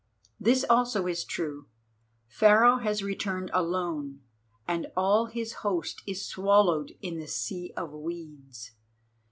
This also is true, Pharaoh has returned alone: and all his host is swallowed in the Sea of Weeds.